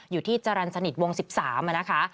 อยู่ที่จรรย์สนิทวง๑๓นะคะ